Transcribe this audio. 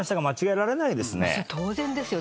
当然ですよ。